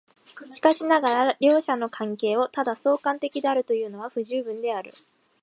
しかしながら両者の関係をただ相関的であるというのは不十分である。